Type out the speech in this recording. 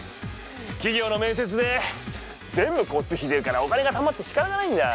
企業の面接で全部交通費出るからお金がたまってしかたがないんだ。